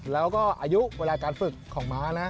แล้วก็อายุเวลาการฝึกของม้านะ